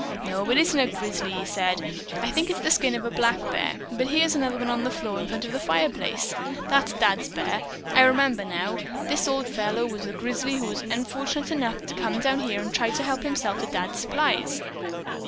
"No, it isn't a grizzly," he said. "I think it is the skin of a black bear. But here is another on the floor in front of the fireplace. That's Dad's bear, I remember now. This old fellow was the grizzly who was unfortunate enough to come down here to try to help himself to Dad's supplies."